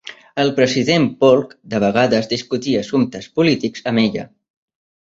El president Polk de vegades discutia assumptes polítics amb ella.